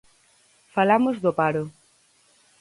Falamos do paro.